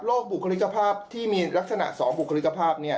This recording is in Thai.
บุคลิกภาพที่มีลักษณะ๒บุคลิกภาพ